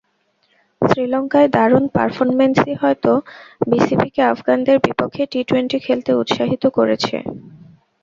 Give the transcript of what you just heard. শ্রীলঙ্কায় দারুণ পারফরম্যান্সই হয়তো বিসিবিকে আফগানদের বিপক্ষে টি টোয়েন্টি খেলতে উৎসাহিত করেছে।